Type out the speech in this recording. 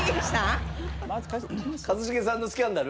一茂さんのスキャンダル？